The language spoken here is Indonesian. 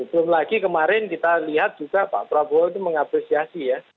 belum lagi kemarin kita lihat juga pak prabowo itu mengapresiasi ya